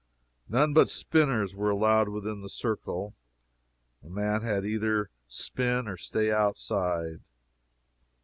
None but spinners were allowed within the circle. A man had to either spin or stay outside.